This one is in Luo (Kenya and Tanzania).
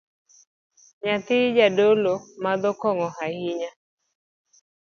Nyithii jadolo madho kong’o ahinya